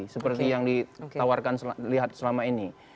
seperti yang ditawarkan lihat selama ini